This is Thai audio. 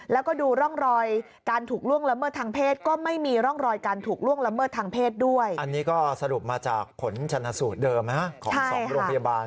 เนื้อคำถามชาญสูตรเดิมศาสตร์โรงพยาบาล